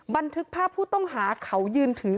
บันทึกภาพผู้ต้องหาเขายืนถือ